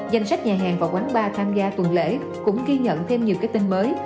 danh sách nhà hàng và quán bar tham gia tuần lễ cũng ghi nhận thêm nhiều cái tin mới